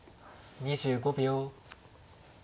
２５秒。